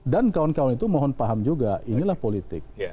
dan kawan kawan itu mohon paham juga inilah politik